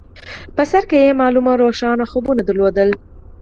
په سر کې يې معلوم او روښانه خوبونه درلودل.